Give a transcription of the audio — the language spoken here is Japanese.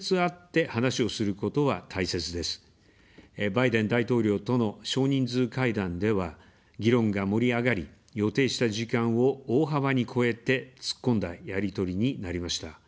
バイデン大統領との少人数会談では、議論が盛り上がり、予定した時間を大幅に超えて、突っ込んだやり取りになりました。